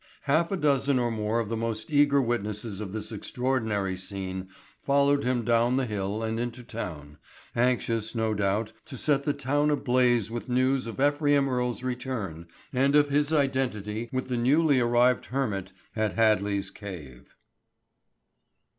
Half a dozen or more of the most eager witnesses of this extraordinary scene followed him down the hill and into town, anxious no doubt to set the town ablaze with news of Ephraim Earle's return and of his identity with the newly arrived hermit at Hadley's cave.